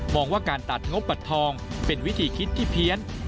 ว่าการตัดงบบัตรทองเป็นวิธีคิดที่เพี้ยน